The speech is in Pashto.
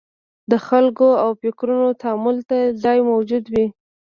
د خلکو او فکرونو تامل ته ځای موجود وي.